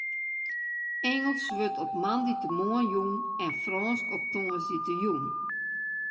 Ingelsk wurdt op moandeitemoarn jûn en Frânsk op tongersdeitejûn.